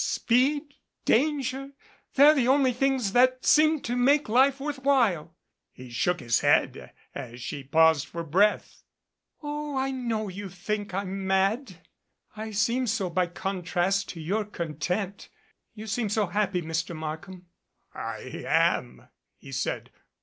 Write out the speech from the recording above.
Speed danger they're the only things that seem to make life worth while." He shook his head as she paused for breath. "Oh, I know you think I'm mad. I seem so by con trast to your content. You seem so happy, Mr. Mark ham." "I am," he said.